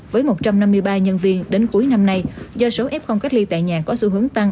với một trăm năm mươi ba nhân viên đến cuối năm nay do số f cách ly tại nhà có xu hướng tăng